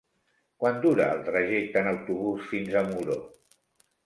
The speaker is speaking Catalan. Quant dura el trajecte en autobús fins a Muro?